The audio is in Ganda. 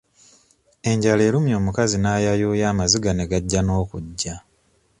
Enjala erumye omukazi n'ayayuuya amaziga ne gajja n'okujja.